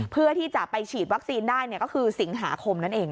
เพื่อที่จะไปฉีดวัคซีนได้ก็คือสิงหาคมนั่นเอง